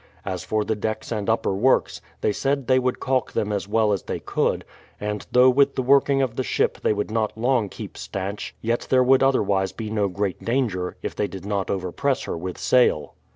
As for the decks and upper works, they said they would calk them as well as they could ; and though with the working of the ship they would not long keep stanch, yet there would otherwise be no great danger, if they did not overpress her with sail.